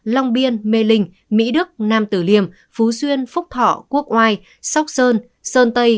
long biên mê linh mỹ đức nam tử liêm phú xuyên phúc thọ quốc oai sóc sơn sơn tây